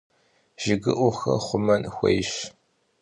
Jjıgıu'uxer xhumen xuêyş.